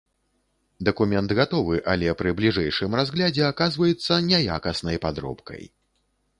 Дакумент гатовы, але пры бліжэйшым разглядзе аказваецца няякаснай падробкай.